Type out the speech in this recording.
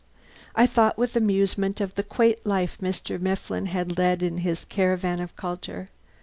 I thought with amusement of the quaint life Mr. Mifflin had led in his "caravan of culture."